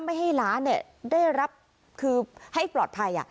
ไม่ให้ร้านได้รับคือให้ปลอดภัย